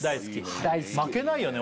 はい負けないよね？